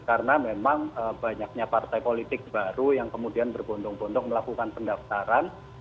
karena memang banyaknya partai politik baru yang kemudian berbondong bondong melakukan pendaftaran